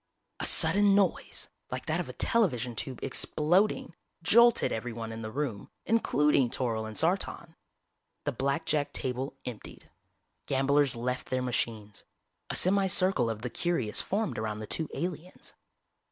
A sudden noise, like that of a television tube exploding, jolted everyone in the room, including Toryl and Sartan. The blackjack table emptied. Gamblers left their machines. A semi circle of the curious formed around the two aliens.